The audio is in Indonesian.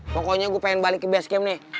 pokoknya gue pengen balik ke base camp nih